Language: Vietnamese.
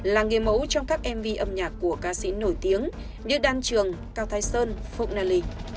là nghề mẫu trong các mv âm nhạc của ca sĩ nổi tiếng như đan trường cao thái sơn phượng nà lì